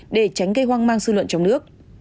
để tránh gây hoang mang dư luận trong nước